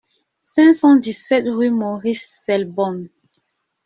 cinq cent dix-sept rue Maurice Selbonne